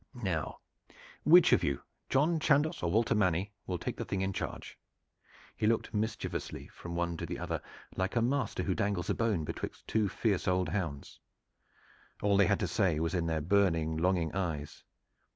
"Now which of you, John Chandos or Walter Manny, will take the thing in charge?" He looked mischievously from one to the other like a master who dangles a bone betwixt two fierce old hounds. All they had to say was in their burning, longing eyes.